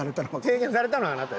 提言されたのはあなた？